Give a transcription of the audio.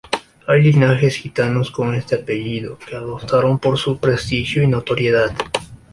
Hay linajes gitanos con este apellido, que adoptaron por su prestigio y notoriedad.